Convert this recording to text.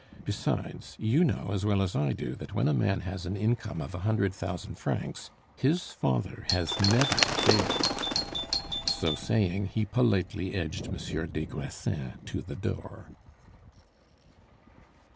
Besides, you know as well as I do that when a man has an income of a hundred thousand francs his father has never failed." So saying, he politely edged Monsieur des Grassins to the door.